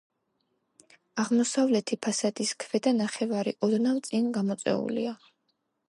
აღმოსავლეთი ფასადის ქვედა ნახევარი ოდნავ წინ გამოწეულია.